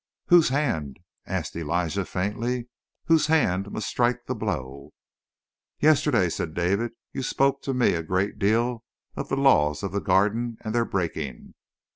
"Whose hand," asked Elijah faintly "whose hand must strike the blow?" "Yesterday," said David, "you spoke to me a great deal of the laws of the Garden and their breaking.